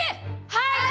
はい！